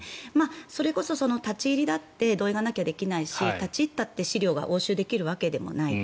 それこそ立ち入りだって同意がなきゃできないし立ち入ったって資料が押収できるわけでもない。